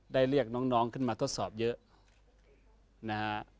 เรียกน้องขึ้นมาทดสอบเยอะนะฮะ